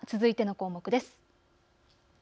では続いての項目です。